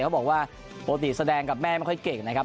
เขาบอกว่าปกติแสดงกับแม่ไม่ค่อยเก่งนะครับ